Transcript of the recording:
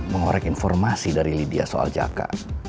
mengorek informasi dari lydia soal jaka